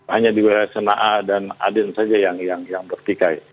hanya di wilayah sena'a dan aden saja yang berpikai